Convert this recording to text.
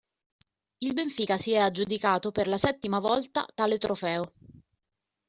Il Benfica si è aggiudicato per la settima volta tale trofeo.